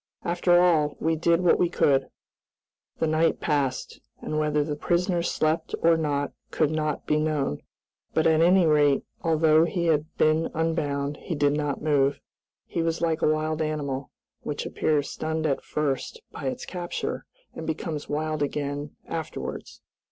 After all, we did what we could." The night passed, and whether the prisoner slept or not could not be known, but at any rate, although he had been unbound, he did not move. He was like a wild animal, which appears stunned at first by its capture, and becomes wild again afterwards.